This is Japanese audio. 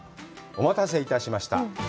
お待たせいたしました。